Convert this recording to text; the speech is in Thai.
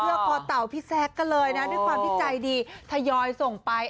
เพื่อคอเต่าพี่แซคกันเลยนะด้วยความที่ใจดีทยอยส่งไป